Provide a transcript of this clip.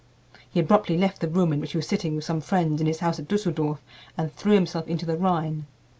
He abruptly left the room in which he was sitting with some friends in his house at Düsseldorf and threw himself into the Rhine.